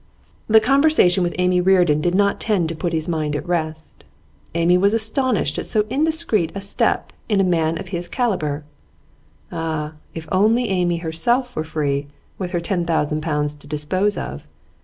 The conversation with Amy Reardon did not tend to put his mind at rest. Amy was astonished at so indiscreet a step in a man of his calibre. Ah! if only Amy herself were free, with her ten thousand pounds to dispose of!